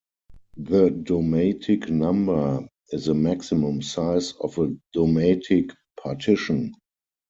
The domatic number is the maximum size of a domatic partition.